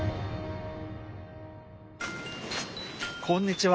こんにちは。